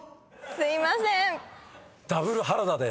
すいません。